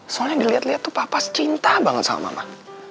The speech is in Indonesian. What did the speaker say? soalnya dilihat lihat tuh papa secinta banget sama mama